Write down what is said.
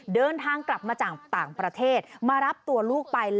เดินทางกลับมาจากต่างประเทศมารับตัวลูกไป